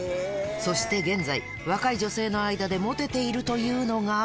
そして現在、若い女性の間でもてているというのが。